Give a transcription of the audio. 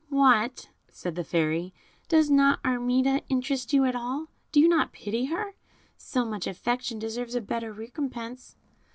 "What," said the Fairy; "does not Armida interest you at all? Do you not pity her? So much affection deserves a better recompense."